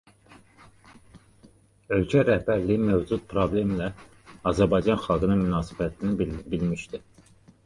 Ölkə rəhbərliyi mövcud problemə Azərbaycan xalqının münasibətini bilmişdi.